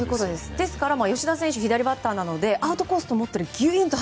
ですから、吉田選手左バッターなのでアウトコースと思ったらぎゅいんと